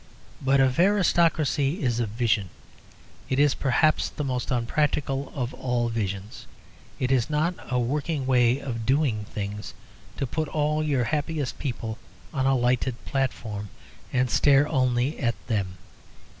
But if aristocracy is a vision, it is perhaps the most unpractical of all visions. It is not a working way of doing things to put all your happiest people on a lighted platform and stare only at them.